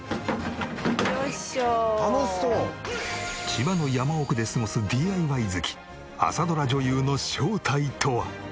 千葉の山奥で過ごすＤＩＹ好き朝ドラ女優の正体とは？